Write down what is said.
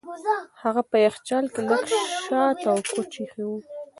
هغه په یخچال کې لږ شات او کوچ ایښي وو.